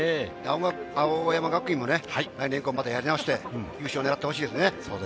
青山学院も来年以降、またやり直して優勝を狙ってほしいですね。